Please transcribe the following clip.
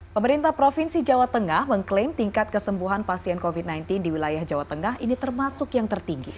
pemerintah provinsi jawa tengah mengklaim tingkat kesembuhan pasien covid sembilan belas di wilayah jawa tengah ini termasuk yang tertinggi